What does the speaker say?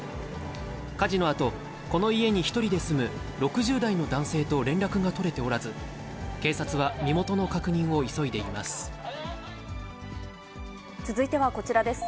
火事のあと、この家に１人で住む６０代の男性と連絡が取れておらず、警察は身続いてはこちらです。